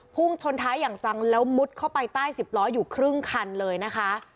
พุ่งชนท้ายอย่างจังแล้วมุดเข้าไปใต้๑๐ล้ออยู่ครึ่งคันเลยนะคะ